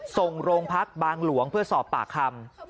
ส่งโรงพักบางหลวงเพื่อสอบปากคำ